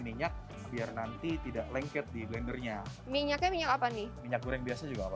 minyak biar nanti tidak lengket di blendernya minyaknya minyak apa nih minyak goreng biasa juga apa